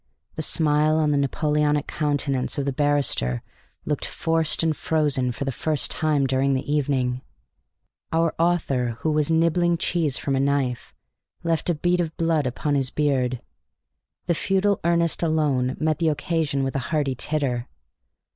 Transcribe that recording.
The smile on the Napoleonic countenance of the barrister looked forced and frozen for the first time during the evening. Our author, who was nibbling cheese from a knife, left a bead of blood upon his beard. The futile Ernest alone met the occasion with a hearty titter.